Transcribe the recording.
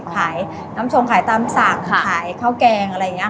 ขายน้ำชงขายตามสั่งขายข้าวแกงอะไรอย่างนี้ค่ะ